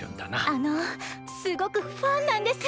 あのすごくファンなんです。